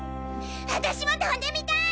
私も飛んでみたい！